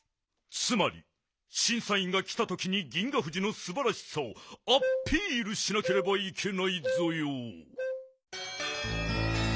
つまりしんさいんがきたときに銀河フジのすばらしさをアッピールしなければいけないぞよ。